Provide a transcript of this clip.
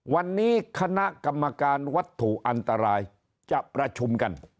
วันนี้คณะกรรมการวัตถุอันตรายจะประชุมกัน